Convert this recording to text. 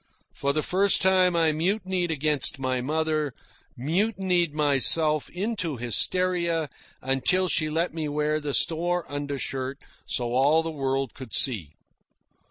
For the first time I mutinied against my mother mutinied myself into hysteria, until she let me wear the store undershirt so all the world could see.